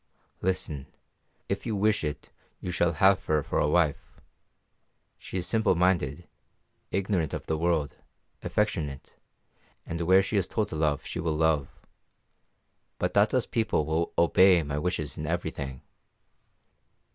Listen, if you wish it you shall have her for a wife. She is simple minded, ignorant of the world, affectionate, and where she is told to love she will love. Batata's people will obey my wishes in everything."